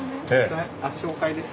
紹介です。